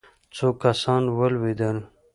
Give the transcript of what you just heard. څو کسان ولوېدل.